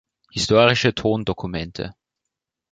Historische Tondokumente